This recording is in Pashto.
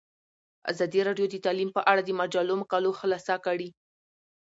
ازادي راډیو د تعلیم په اړه د مجلو مقالو خلاصه کړې.